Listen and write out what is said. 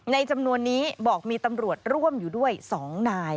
จำนวนนี้บอกมีตำรวจร่วมอยู่ด้วย๒นาย